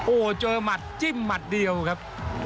โอ้โหเจอหมัดจิ้มหมัดเดียวครับ